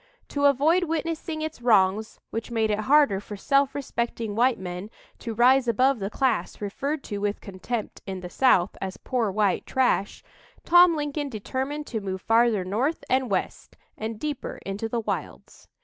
To avoid witnessing its wrongs which made it harder for self respecting white men to rise above the class referred to with contempt in the South as "poor white trash," Tom Lincoln determined to move farther north and west and deeper into the wilds.